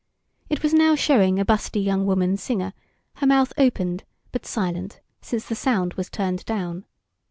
It was now showing a busty young woman singer, her mouth opened, but silent, since the sound was turned down.